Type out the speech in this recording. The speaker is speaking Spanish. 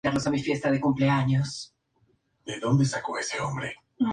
Se encuentra en el Barrio de San Juan o Güímar de Arriba.